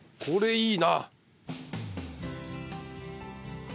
これいいな。